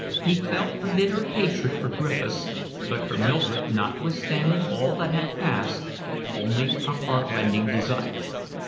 He felt a bitter hatred for Griffiths, but for Mildred, notwithstanding all that had passed, only a heart rending desire.